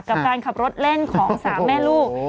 กับการขับรถเล่นของสามแม่ลูก